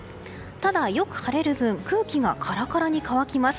ただ、よく晴れる分空気がカラカラに乾きます。